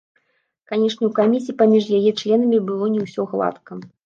Канешне, у камісіі паміж яе членамі было не ўсё гладка.